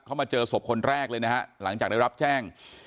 เขามาเจอศพคนแรกเลยนะฮะหลังจากได้รับแจ้ง